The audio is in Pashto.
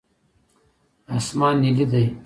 اسمان نیلي دی.